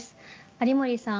有森さん